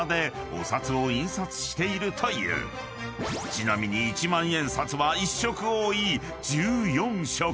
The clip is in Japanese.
［ちなみに一万円札は１色多い１４色］